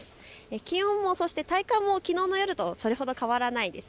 気温も、そして体感もきのうの夜とそれほど変わらないです。